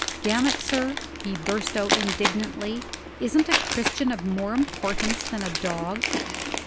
"Damn it, sir," he burst out indignantly, "isn't a Christian of more importance than a dog?"